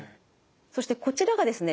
そしてこちらがですね